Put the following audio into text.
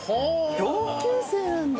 同級生なんだ！